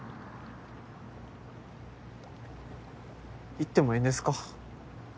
行ってもええんですか？